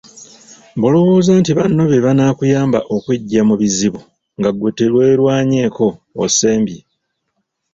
Bw’olowooza nti banno be banaakuyamba okweggya mu bizibu nga ggwe teweerwanyeeko, osembye.